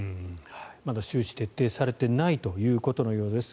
まだ周知徹底されていないということのようです。